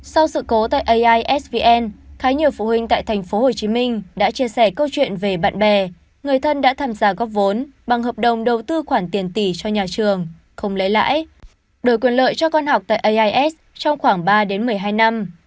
sau sự cố tại aisvn khá nhiều phụ huynh tại tp hcm đã chia sẻ câu chuyện về bạn bè người thân đã tham gia góp vốn bằng hợp đồng đầu tư khoản tiền tỷ cho nhà trường không lấy lãi đổi quyền lợi cho con học tại ais trong khoảng ba đến một mươi hai năm